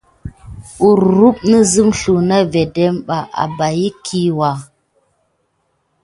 Kurum ne sim na zliku na vedem ɓa a barkiwuka.